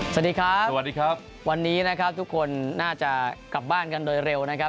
สวัสดีครับสวัสดีครับวันนี้นะครับทุกคนน่าจะกลับบ้านกันโดยเร็วนะครับ